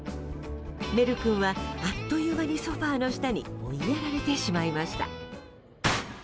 メル君は、あっという間にソファの下に追いやられてしまいました。